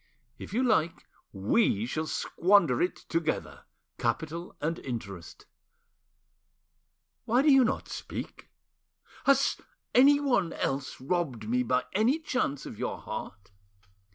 If you like, we shall squander it together, capital and interest. Why do you not speak? Has anyone else robbed me by any chance of your heart?